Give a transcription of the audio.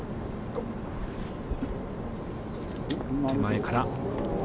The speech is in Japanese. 手前から。